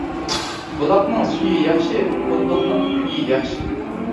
بۇلاقنىڭ سۈيى ياخشى، بۇلبۇلنىڭ كۈيى ياخشى.